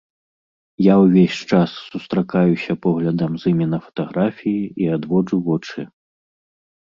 Я ўвесь час сустракаюся поглядам з імі на фатаграфіі і адводжу вочы.